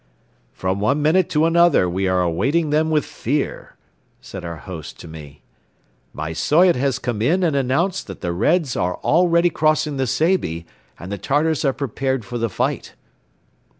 "From one minute to another we are awaiting them with fear," said our host to me. "My Soyot has come in and announced that the Reds are already crossing the Seybi and the Tartars are prepared for the fight."